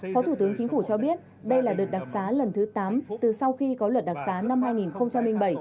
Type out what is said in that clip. phó thủ tướng chính phủ cho biết đây là đợt đặc sá lần thứ tám từ sau khi có luật đặc sá năm hai nghìn một mươi bảy